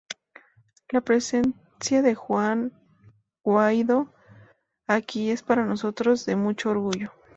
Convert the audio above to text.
La presencia de Juan Guaidó aquí es para nosotros de mucho orgullo.